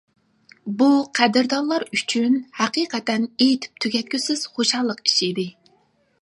بۇ قەدىردانلار ئۈچۈن ھەقىقەتەن ئېيتىپ تۈگەتكۈسىز خۇشاللىق ئىش ئىدى.